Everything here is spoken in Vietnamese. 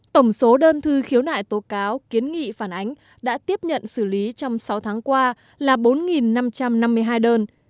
tổng số đơn thư khiếu nại tố cáo kiến nghị phản ánh đã tiếp nhận xử lý trong sáu tháng qua là bốn năm trăm năm mươi hai đơn